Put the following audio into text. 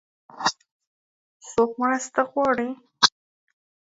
څوک مرسته غواړي؟